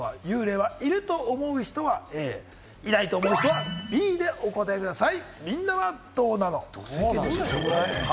幽霊がいると思う方はいないと思う方はＢでお答えください。